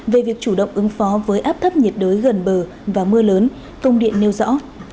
về việc chủ động ứng phó với áp thấp nhiệt đới gần bờ và mưa lớn công điện nêu rõ